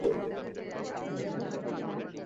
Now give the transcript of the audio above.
তাঁর সঙ্গে ছিলেন শ্রী অরবিন্দ।